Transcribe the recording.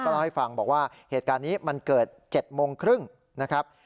เล่าให้ฟังบอกว่าเหตุการณ์นี้มันเกิด๗โมงครึ่งนะครับ